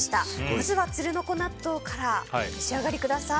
まずは鶴の子納豆からお召し上がりください。